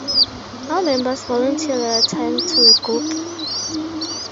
All members volunteer their time to the group.